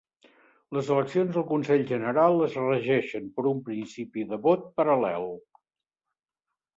Les eleccions al Consell General es regeixen per un principi de vot paral·lel.